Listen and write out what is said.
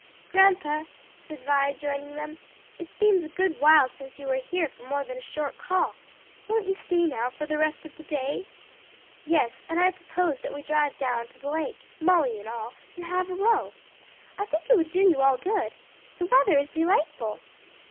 "Grandpa," said Vi, joining them, "it seems a good while since you were here for more than a short call. Won't you stay now for the rest of the day?" "Yes, and I propose that we drive down to the lake, Molly and all, and have a row. I think it would do you all good. The weather is delightful."